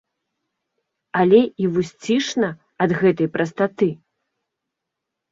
Але і вусцішна ад гэтай прастаты.